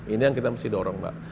ini yang kita mesti dorong mbak